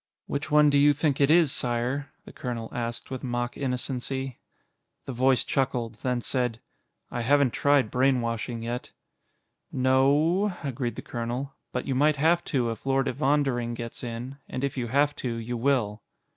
"Which one do you think it is, Sire?" the colonel asked with mock innocency. The voice chuckled, then said, "I haven't tried brainwashing yet." "No o o," agreed the colonel, "but you might have to if Lord Evondering gets in, and if you have to, you will."